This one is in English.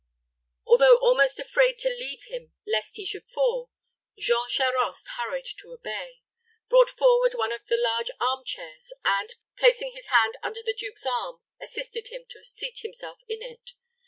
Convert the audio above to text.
Although almost afraid to leave him lest he should fall, Jean Charost hurried to obey, brought forward one of the large arm chairs, and, placing his hand under the duke's arm, assisted him to seat himself in it.